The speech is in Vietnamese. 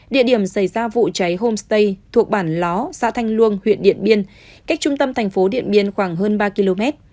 địa điểm xảy ra vụ cháy homestay thuộc bản ló xã thanh luông huyện điện biên cách trung tâm thành phố điện biên khoảng hơn ba km